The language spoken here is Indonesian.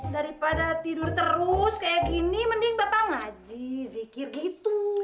daripada tidur terus kayak gini mending bapak ngaji zikir gitu